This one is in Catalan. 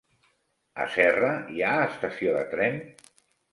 A Serra hi ha estació de tren?